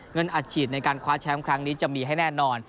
อัดฉีดในการคว้าแชมป์ครั้งนี้จะมีให้แน่นอน